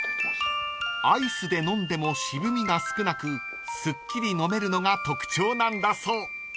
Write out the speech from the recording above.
［アイスで飲んでも渋味が少なくすっきり飲めるのが特徴なんだそう］